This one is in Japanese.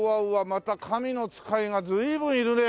また神の使いが随分いるね。